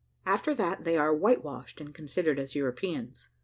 After that, they are white washed and considered as Europeans.